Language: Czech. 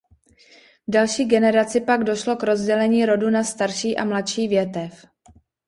V další generaci pak došlo k rozdělení rodu na starší a mladší větev.